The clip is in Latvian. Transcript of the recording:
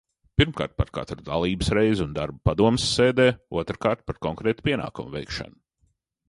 Pirmkārt, par katru dalības reizi un darbu padomes sēdē, otrkārt, par konkrētu pienākumu veikšanu.